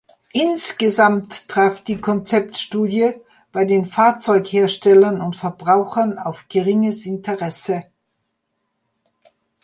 Insgesamt traf die Konzeptstudie bei den Fahrzeugherstellern und Verbrauchern auf geringes Interesse.